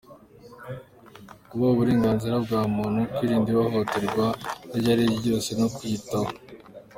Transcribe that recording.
kubaha uburenganzira bwa muntu, kwirinda ihohoterwa iryo ari ryo ryose no kwiyitaho.